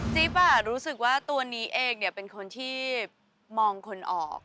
จิ๊บอ่ะรู้สึกว่าตัวนี้เอกเนี่ยเป็นคนที่มองคนออก